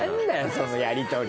そのやりとり。